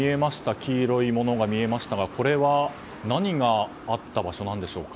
黄色いものが見えましたがこれは、何があった場所なんでしょうか？